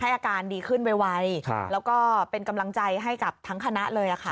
อาการดีขึ้นไวแล้วก็เป็นกำลังใจให้กับทั้งคณะเลยค่ะ